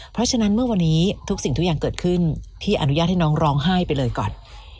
เพราะฉะนั้นเมื่อวันนี้ทุกสิ่งทุกอย่างเกิดขึ้นพี่อนุญาตให้น้องร้องไห้ไปเลยก่อน